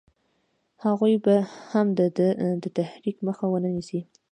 هغوی به هم د ده د تحریک مخه ونه نیسي.